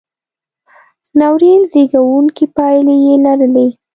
ناورین زېږوونکې پایلې یې لرلې.